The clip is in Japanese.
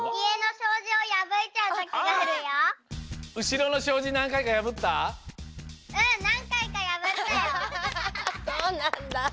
そうなんだ！